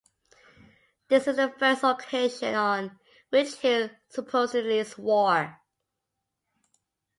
This is the first occasion on which Hill supposedly swore.